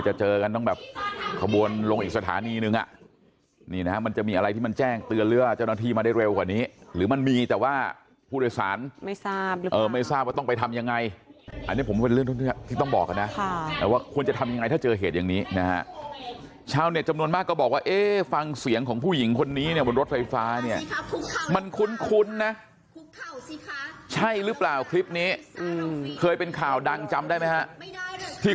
จะเจอกันต้องแบบขบวนลงอีกสถานีหนึ่งนี่นะมันจะมีอะไรที่มันแจ้งเตือนเลือดเจ้าหน้าที่มาได้เร็วกว่านี้หรือมันมีแต่ว่าผู้โดยสารไม่ทราบไม่ทราบว่าต้องไปทำยังไงอันนี้ผมว่าเรื่องที่ต้องบอกนะว่าควรจะทำยังไงถ้าเจอเหตุอย่างนี้นะฮะชาวเน็ตจำนวนมากก็บอกว่าเอ๊ะฟังเสียงของผู้หญิงคนนี้เนี่ยบนรถไ